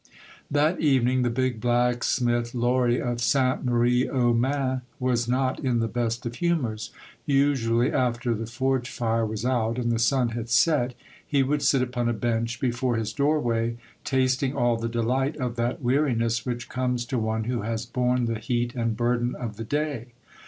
That evening the big blacksmith Lory of Sainte Marie aux Mines was not in the best of humors. Usually after the forge fire was out, and the sun had set, he would sit upon a bench before his doorway, tasting all the delight of that weariness which comes to one who has borne the heat and burden of the day.